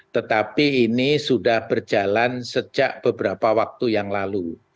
tetapi ini sudah berjalan sejak beberapa waktu yang lalu